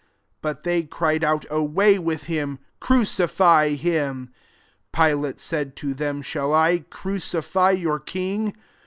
15 But they cried out, " Away, away ttnth hiniy crucify him." Pilate said to them, " Shall I crucify your King